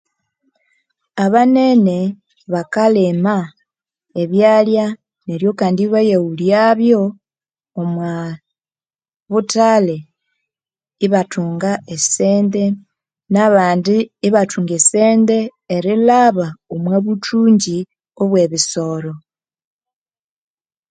Abanene bakalima abyalya neryo Kandi ibaghulyabyo omwabuthale Ibathunga esente nabandi Ibathunga esente erilhaba omobuthungyi obwebisoro